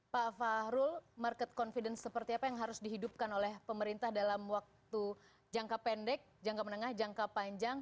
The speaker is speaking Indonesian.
pak fahrul market confidence seperti apa yang harus dihidupkan oleh pemerintah dalam waktu jangka pendek jangka menengah jangka panjang